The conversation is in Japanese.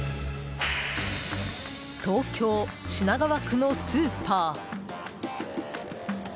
東京・品川区のスーパー。